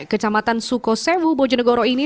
kecamatan sukosewu bojonegoro ini